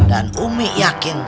dan umi yakin